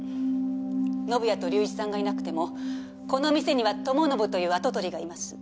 宣也と隆一さんがいなくてもこの店には友宣という跡取りがいます。